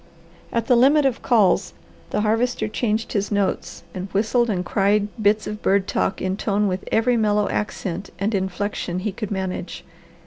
At his limit of calls the Harvester changed his notes and whistled and cried bits of bird talk in tone with every mellow accent and inflection he could manage.